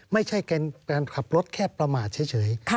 ไม่ใช่การขับรถแค่ประมาทเฉย